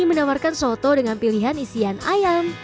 menawarkan soto dengan pilihan isian ayam